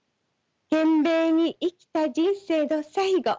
懸命に生きた人生の最期。